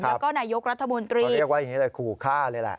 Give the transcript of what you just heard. แล้วก็นายกรัฐมนตรีก็เรียกว่าอย่างนี้แหละขู่ฆ่าเลยแหละ